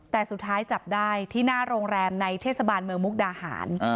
แต่สุดท้ายจับได้ที่หน้าโรงแรมในเทศบาลเมืองมุกดาหาร